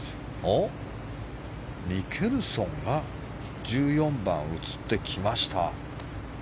ミケルソンが１４番映ってきました。